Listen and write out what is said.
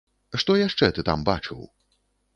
Што яшчэ ты там бачыў?